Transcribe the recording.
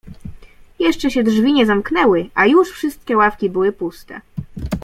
Jeszcze się drzwi nie zamknęły, a już wszystkie ławki były puste.